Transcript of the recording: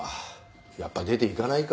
やっぱ出ていかないか。